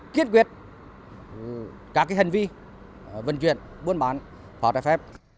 kiết quyết các hành vi vận chuyển buôn bán pháo trái phép